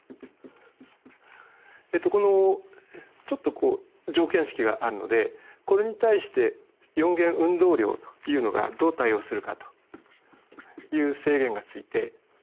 このちょっと条件式があるのでこれに対して４元運動量というのがどう対応するかという制限がついて。